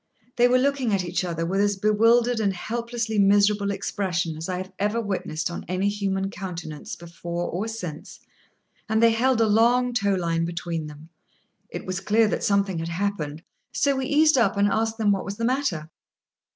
They were looking at each other with as bewildered and helplessly miserable expression as I have ever witnessed on any human countenance before or since, and they held a long tow line between them. It was clear that something had happened, so we eased up and asked them what was the matter.